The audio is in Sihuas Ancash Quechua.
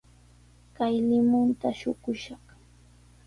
Kay limunta shuqushaq.